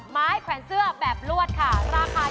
ม้ายแขวนเสื้อแบบรวดราคา๒๐บาท